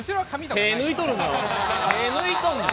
手抜いてんねん。